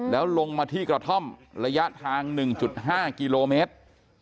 แล้วลงมาที่กระท่อมระยะทาง๑๕กิโลเมตร